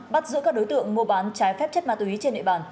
bắt giữa các đối tượng mua bán trái phép chất ma túy trên nội bàn